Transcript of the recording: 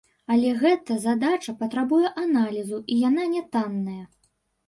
Але гэта задача патрабуе аналізу, і яна нятанная.